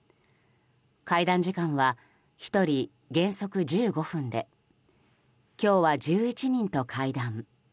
会談時間は１人原則１５分で今日は１１人と会談。